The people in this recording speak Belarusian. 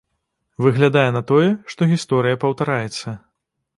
Выглядае на тое, што гісторыя паўтараецца.